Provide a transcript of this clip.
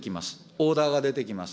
オーダーが出てきます。